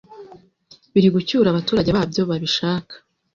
biri gucyura abaturage babyo babishaka